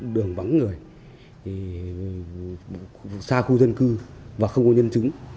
đường bắn người xa khu dân cư và không có nhân chứng